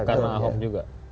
karena ahok juga